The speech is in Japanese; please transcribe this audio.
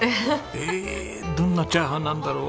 ええどんなチャーハンなんだろう。